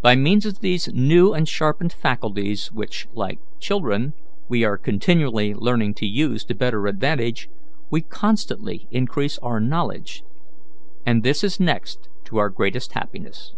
By means of these new and sharpened faculties, which, like children, we are continually learning to use to better advantage, we constantly increase our knowledge, and this is next to our greatest happiness."